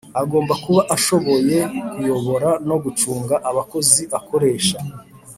Agomba kuba ashoboye kuyobora no gucunga abakozi akoresha.